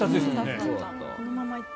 このまま行って。